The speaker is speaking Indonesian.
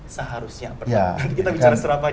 seharusnya kita bicara serapanya pak